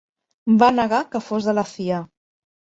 Va negar que fos de la CIA.